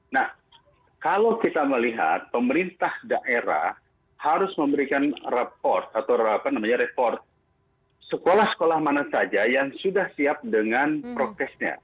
nah kalau kita melihat pemerintah daerah harus memberikan report atau report sekolah sekolah mana saja yang sudah siap dengan prokesnya